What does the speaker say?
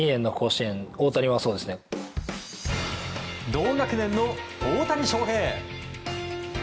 同学年の大谷翔平。